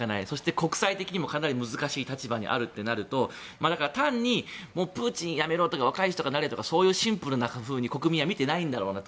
国際的にもかなり難しい立場にあるとなると単にプーチン辞めろとか若い人がなれとかそういうふうにシンプルに国民は見ていないんだろうなと。